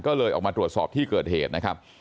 ก็เลยออกมาตรวจสอบที่เกิดเหตุนะครับ